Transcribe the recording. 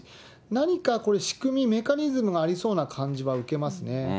何か仕組み、メカニズムがありそうな感じは受けますね。